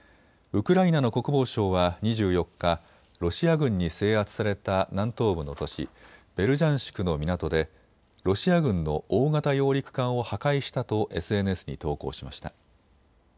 ウクライナの国防省は２４日、ロシア軍に制圧された南東部の都市、ベルジャンシクの港でロシア軍の大型揚陸艦を破壊したとＳＮＳに投稿しました。